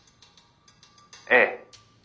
「ええ。